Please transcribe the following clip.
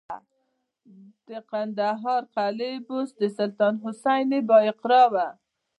د کندهار قلعه بست د سلطان حسین بایقرا و